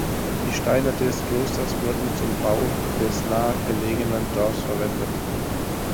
Die Steine des Klosters wurden zum Bau des nahegelegenen Dorfs verwendet.